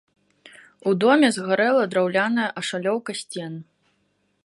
У доме згарэла драўляная ашалёўка сцен.